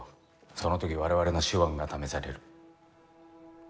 その時我々の手腕が試される。